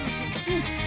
うん。